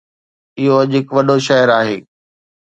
اهو اڄ هڪ وڏو شهر آهي.